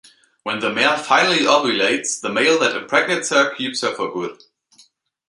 When the mare finally ovulates, the male that impregnates her keeps her for good.